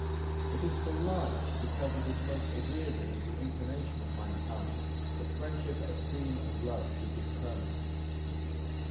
It is for life, because it is most agreeable with the inclination of mankind that friendship, esteem and love should be permanent.